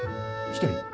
一人？